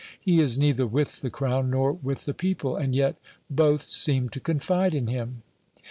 "He is neither with the Crown nor with the people, and yet both seem to confide in him."